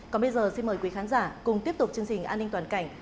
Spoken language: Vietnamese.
còn bây giờ xin mời quý khán giả cùng tiếp tục chương trình an ninh toàn cảnh